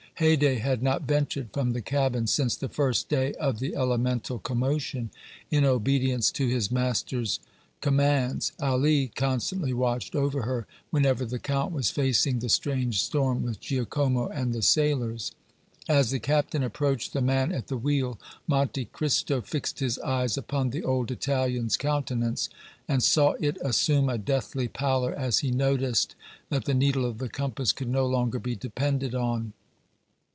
Haydée had not ventured from the cabin since the first day of the elemental commotion; in obedience to his master's commands, Ali constantly watched over her whenever the Count was facing the strange storm with Giacomo and the sailors. As the captain approached the man at the wheel, Monte Cristo fixed his eyes upon the old Italian's countenance and saw it assume a deathly pallor as he noticed that the needle of the compass could no longer be depended on.